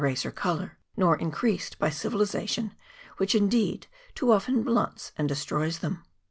race or colour, nor increased by civilization, which indeed too often blunts and destroys them.